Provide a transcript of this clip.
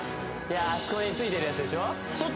あそこについてるやつでしょ？